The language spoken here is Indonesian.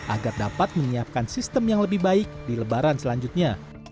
agar dapat menyiapkan sistem yang lebih baik di lebaran selanjutnya